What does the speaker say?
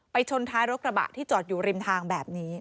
ชนท้ายรถกระบะที่จอดอยู่ริมทางแบบนี้